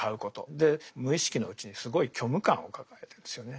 で無意識のうちにすごい虚無感を抱えてるんですよね。